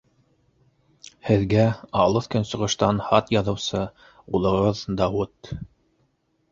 Һеҙгә Алыҫ Көнсығыштан хат яҙыусы улығыҙ Дауыт.